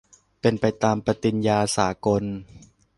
เป็นไปตามปฏิญญาสากล